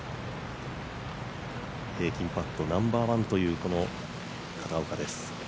平均パットナンバーワンという片岡です。